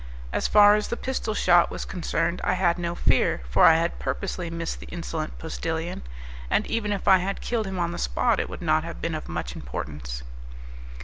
As far as the pistol shot was concerned I had no fear, for I had purposely missed the insolent postillion; and even if I had killed him on the spot it would not have been of much importance.